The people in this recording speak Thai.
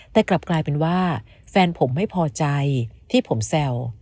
แต่กลับกลายเป็นว่าแฟนผมไม่พอใจที่ผมแซว